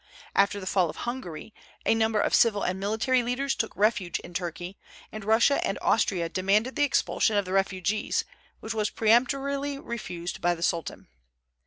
After the fall of Hungary, a number of civil and military leaders took refuge in Turkey, and Russia and Austria demanded the expulsion of the refugees, which was peremptorily refused by the Sultan.